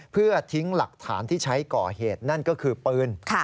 เพื่อทิ้งหลักฐานที่ใช้ก่อเหตุนั่นก็คือปืน